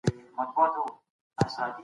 ما د پښتو ژبي دپاره یوه نوې طرحه جوړه کړه